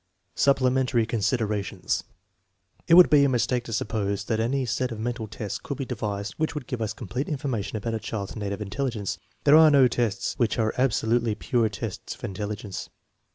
Supplementary considerations. It would be a mistake to suppose that any set of mental tests could be devised which would give us complete information about a child's native intelligence. There are no tests which are absolutely pure tests of intelligence.